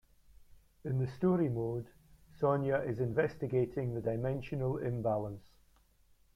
In the story mode, Sonya is investigating the dimensional imbalance.